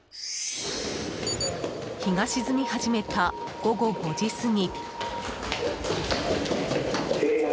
日が沈み始めた午後５時過ぎ。